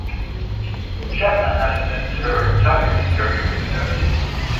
Chapman has spent her entire career in nursing.